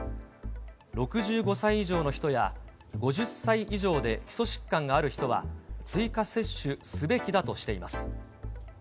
６５歳以上の人や、５０歳以上で基礎疾患がある人は、追加接種すべきだとしています。